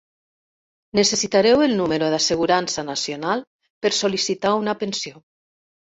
Necessitareu el Número d'assegurança nacional per sol·licitar una pensió